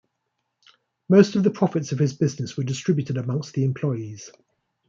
Most of the profits of his business were distributed amongst the employees.